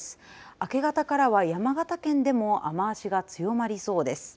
明け方からは山形県でも雨足が強まりそうです。